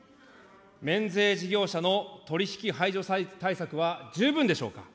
免税事業者の取り引き排除対策は十分でしょうか。